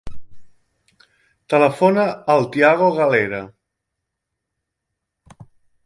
Telefona al Thiago Galera.